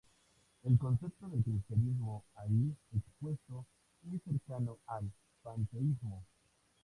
El concepto de cristianismo ahí expuesto es cercano al panteísmo.